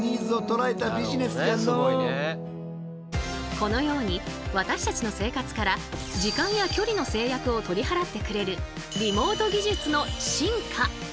このように私たちの生活から時間や距離の制約を取り払ってくれるリモート技術の進化。